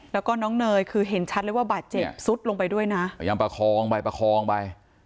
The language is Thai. แล้วก็น้องเนยคือเห็นชัดเลยว่าบาดเจ็บซุดลงไปด้วยนะพยายามประคองไปประคองไป